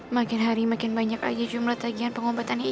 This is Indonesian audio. makin hari makin banyak aja jumlah tagian pengobatannya ibu